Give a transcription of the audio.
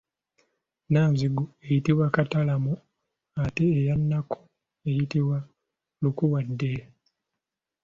Nnanzigu eyitibwa Katalamo ate eya Nakku eyitibwa Lukuwadde.